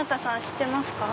知ってますか？